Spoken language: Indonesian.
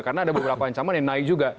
karena ada beberapa ancaman yang naik juga